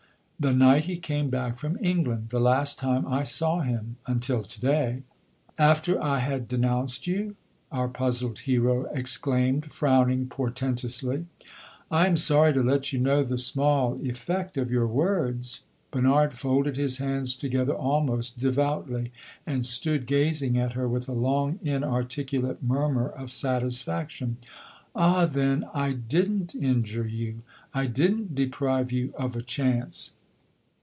"The night he came back from England the last time I saw him, until to day." "After I had denounced you?" our puzzled hero exclaimed, frowning portentously. "I am sorry to let you know the small effect of your words!" Bernard folded his hands together almost devoutly and stood gazing at her with a long, inarticulate murmur of satisfaction. "Ah! then, I did n't injure you I did n't deprive you of a chance?"